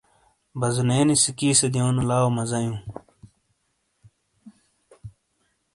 بازونے نی سکی سے دیونو لاؤ مزا ایوں ۔